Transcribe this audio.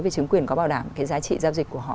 về chứng quyền có bảo đảm cái giá trị giao dịch của họ